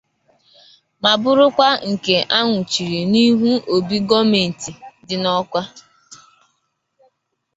ma bụrụkwa nke a nwụchiri n'ihu obi gọọmenti dị n'Awka.